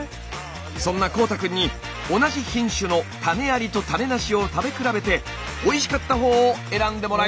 そんな幸大くんに同じ品種の種ありと種なしを食べ比べておいしかった方を選んでもらいます！